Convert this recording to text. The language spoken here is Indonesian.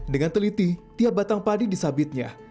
dengan teliti tiap batang padi disabitnya